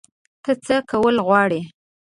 ته څه کول غواړې؟